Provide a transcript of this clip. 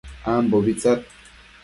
ambobi tsad